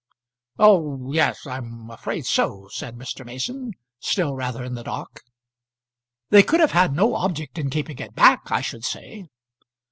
"Oh, yes; I'm afraid so," said Mr. Mason, still rather in the dark. "They could have had no object in keeping it back, I should say."